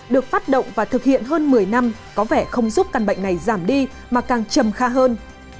được phát động và thực hiện hơn một mươi năm có vẻ không giúp căn bệnh này giảm đi mà càng trầm kha hơn